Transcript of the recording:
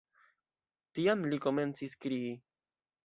Tiam li komencis krii.